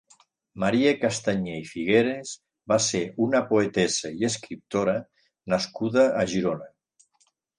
Maria Castanyer i Figueras va ser una poetessa i escriptora nascuda a Girona.